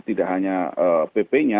tidak hanya pp nya